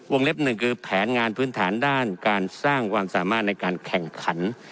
เล็บหนึ่งคือแผนงานพื้นฐานด้านการสร้างความสามารถในการแข่งขัน